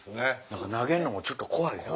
何か投げんのもちょっと怖いな。